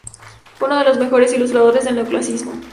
Fue uno de los mejores ilustradores del neoclasicismo.